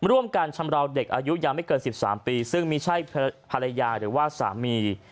ร่วมกันชำราวเด็กอายุยังไม่เกิน๑๓ปีซึ่งไม่ใช่ภรรยาหรือว่าสามี